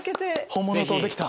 本物とできた。